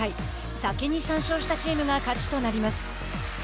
先に３勝したチームが勝ちとなります。